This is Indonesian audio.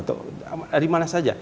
atau dari mana saja